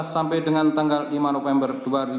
sampai dengan lima november dua ribu enam belas